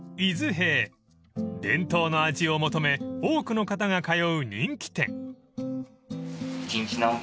［伝統の味を求め多くの方が通う人気店］